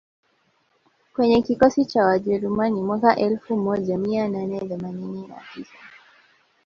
kwenye kikosi cha Wajerumani mwaka wa elfu moja mia nane themanini na tisa